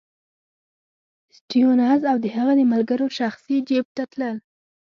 د سټیونز او د هغه د ملګرو شخصي جېب ته تلل.